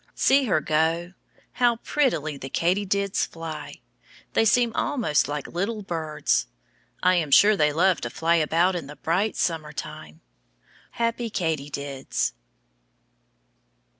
See her go! How prettily the katydids fly. They seem almost like little birds. I am sure they love to fly about in the bright summer time. Happy katydids.